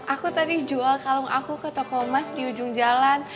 aku tadi jual kalung aku ke toko emas di ujung jalan